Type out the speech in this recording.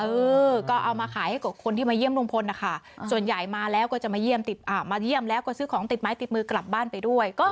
เออก็เอามาขายให้กับคนที่มาเยี่ยมลุงพลนะคะส่วนใหญ่มาแล้วก็จะมาเยี่ยมแล้วก็ซื้อของติดไม้ติดมือกลับบ้านไปด้วย